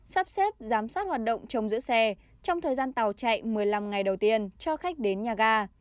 sắp xếp giám sát hoạt động trong giữ xe trong thời gian tàu chạy một mươi năm ngày đầu tiên cho khách đến nhà ga